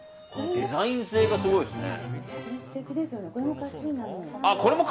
デザイン性がすごいですね。